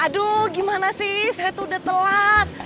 aduh gimana sih saya tuh udah telat